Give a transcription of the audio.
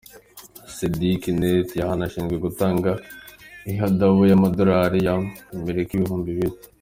Seedy Kinteh yanahanishijwe gutanga ihadabu y'amadolari ya Amerika ibihumbi bine.